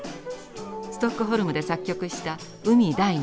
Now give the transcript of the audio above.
ストックホルムで作曲した「海第２番」。